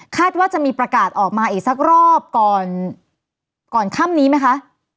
ว่าจะมีประกาศออกมาอีกสักรอบก่อนก่อนค่ำนี้ไหมคะ